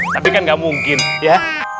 tapi kan gak mungkin ya